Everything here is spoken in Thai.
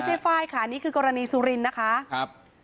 ใช่ค่ะนี่คือกรณีสุรินทร์นะคะ